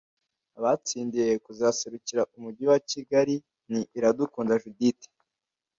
Abatsindiye kuzaserukira Umujyi wa Kigali ni Iradukunda Judith